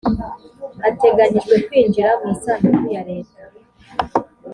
ateganyijwe kwinjira mu isanduku ya leta.